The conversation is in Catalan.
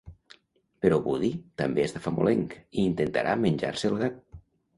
Però Woody també està famolenc, i intentarà menjar-se el gat.